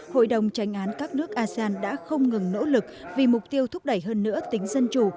hội đồng tranh án các nước asean đã không ngừng nỗ lực vì mục tiêu thúc đẩy hơn nữa tính dân chủ